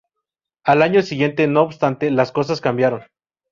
Al año siguiente, no obstante, las cosas cambiaron.